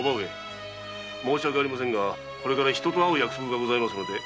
申し訳ありませんが人と会う約束がございますので。